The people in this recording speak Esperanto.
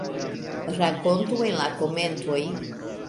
Rakontu en la komentoj!